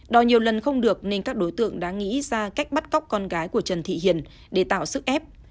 đòi nhiều lần không được nên các đối tượng đã nghĩ ra cách bắt cóc con gái của trần thị hiền để tạo sức ép